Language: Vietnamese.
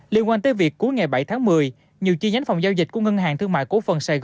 liên quan tới việc cuối ngày bảy tháng một mươi nhiều chi nhánh phòng giao dịch của ngân hàng thương mại cổ phần sài gòn